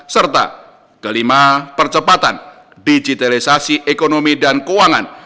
serta kelima percepatan digitalisasi ekonomi dan keuangan